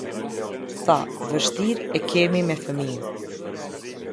Tha: vështirë e kemi me fëmijë.